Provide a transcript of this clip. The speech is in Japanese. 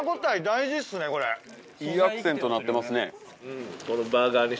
いいアクセントになってますね。